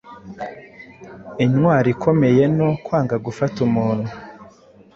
intwari ikomeyeno kwanga gufata umuntu